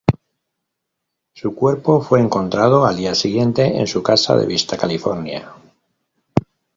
Su cuerpo fue encontrado al día siguiente en su casa de Vista, California.